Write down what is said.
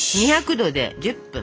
２００℃で１０分。